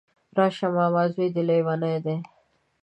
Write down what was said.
راشه ماما ځوی دی ليونی دی